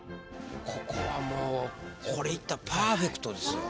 ここはもうこれいったらパーフェクトですよ